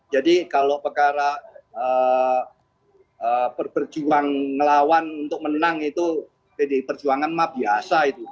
jadi kalau perkara perjuang ngelawan untuk menang itu pdi perjuangan mah biasa itu